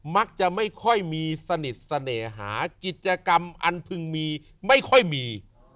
มักจะไม่ค่อยมีสนิทเสน่หากิจกรรมอันพึงมีไม่ค่อยมี